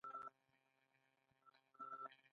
واکسین څنګه کار کوي؟